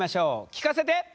聞かせて！